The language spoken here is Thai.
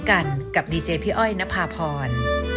กันกับดีเจพี่อ้อยนภาพร